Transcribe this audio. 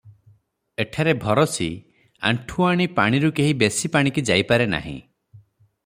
ଏଠାରେ ଭରସି ଆଣ୍ଠୁ ଆଣି ପାଣିରୁ କେହି ବେଶି ପାଣିକି ଯାଇପାରେ ନାହିଁ ।